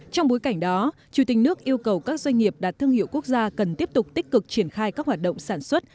trong bối cảnh đó chủ tịch nước yêu cầu các doanh nghiệp đạt thương hiệu quốc gia cần tiếp tục tích cực triển khai các hoạt động sản xuất